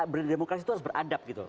berdemokrasi itu harus beradab gitu